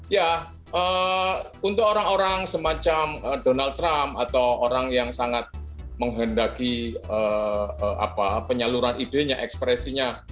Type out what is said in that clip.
ya untuk orang orang semacam donald trump atau orang yang sangat menghendaki penyaluran idenya ekspresinya